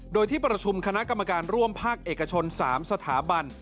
โดยที่ประชุมคณะกรรมการร่วมภาคเอกชน๓สถาบัน